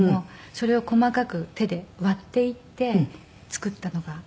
それを細かく手で割っていって作ったのが。